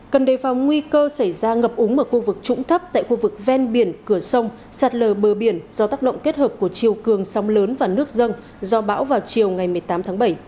cần đề phòng nguy cơ xảy ra ngập úng ở khu vực trũng thấp tại khu vực ven biển cửa sông sạt lờ bờ biển do tác động kết hợp của chiều cường sông lớn và nước dâng do bão vào chiều ngày một mươi tám tháng bảy